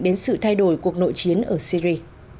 đến sự thay đổi cuộc nội chiến ở syri